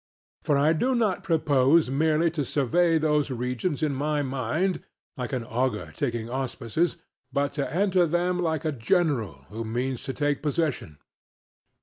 For I do not propose merely to survey these regions in my mind, like an augur taking auspices, but to enter them like a general who means to take possession.